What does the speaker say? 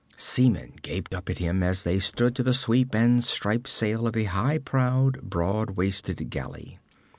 Seamen gaped up at him, as they stood to the sweep and striped sail of a high prowed, broad waisted galley.